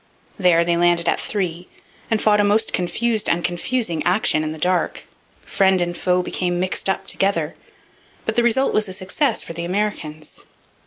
There they landed at three and fought a most confused and confusing action in the dark. Friend and foe became mixed up together; but the result was a success for the Americans.